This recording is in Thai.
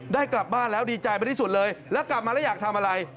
ได้กลับบ้านแล้วดีใจไปที่สุดเลยแล้วกลับมาแล้วอยากทำอะไร